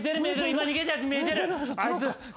今逃げたやつ見えてる。